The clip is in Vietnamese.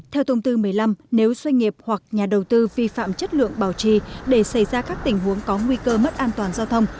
theo thông tư một mươi năm nếu doanh nghiệp hoặc nhà đầu tư vi phạm chất lượng bảo trì để xảy ra các tình huống có nguy cơ mất an toàn giao thông